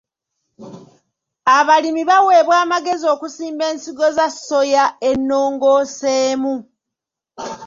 Abalimi baweebwa amagezi okusimba ensigo za soya ennongoseemu.